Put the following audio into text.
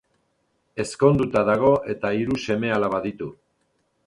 Ezkonduta dago eta hiru seme-alaba ditu.